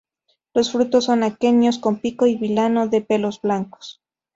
Los frutos son aquenios con pico y vilano de pelos blancos.